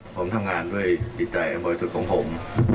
ผมทำงานด้วยจิตใจอันบริสุทธิ์ของผม